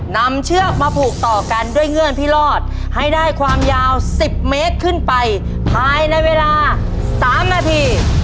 เชือกมาผูกต่อกันด้วยเงื่อนพิรอดให้ได้ความยาว๑๐เมตรขึ้นไปภายในเวลา๓นาที